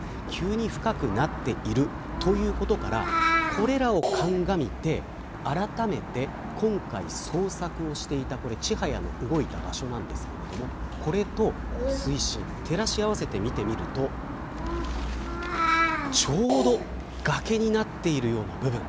このことからこれらをかんがみてあらためて今回捜索をしていたちはやの動いた場所ですが水深を照らし合わせてみるとちょうど崖になっているような部分。